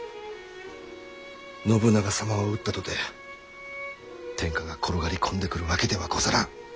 信長様を討ったとて天下が転がり込んでくるわけではござらん。